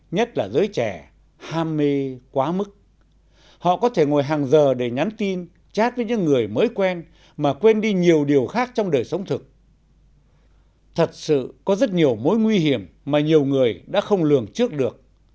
thật sự có rất nhiều mối nguy hiểm mà nhiều người đã không lường trước được